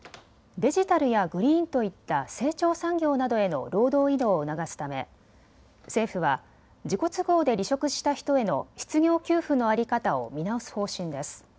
デジタルやグリーンといった成長産業などへの労働移動を促すため政府は自己都合で離職した人への失業給付の在り方を見直す方針です。